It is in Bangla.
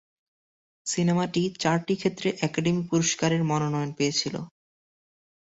সিনেমাটি চারটি ক্ষেত্রে অ্যাকাডেমি পুরস্কারের মনোনয়ন পেয়েছিল।